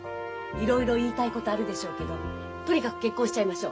いろいろ言いたいことあるでしょうけどとにかく結婚しちゃいましょう。